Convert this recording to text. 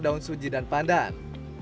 daun suji dan pandan